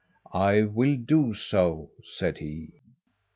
"I will do so," said he.